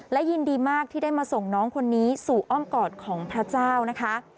และยินดีมากที่ได้มาส่งน้องคนนี้สู่อ้อมกอดของพระเจ้านะคะ